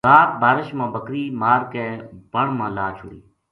رات بارش ما بکری مار کے بن ما لا چھُڑی